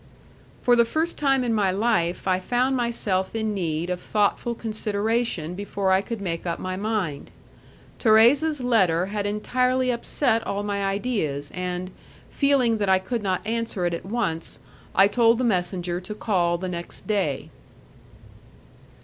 For the first time in my life I found myself in need of thoughtful consideration before I could make up my mind. Thérèse's letter had entirely upset all my ideas, and, feeling that I could not answer it at once, I told the messenger to call the next day.